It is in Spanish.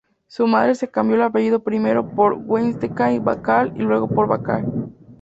Su madre se cambió el apellido primero por Weinstein-Bacal y luego por Bacall.